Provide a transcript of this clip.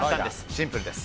シンプルです。